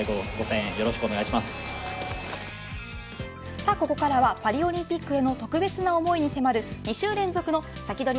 さあここからはパリオリンピックへの特別な思いに迫る２週連続のサキドリ！